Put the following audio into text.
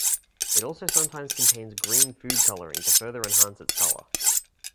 It also sometimes contains green food colouring to further enhance its colour.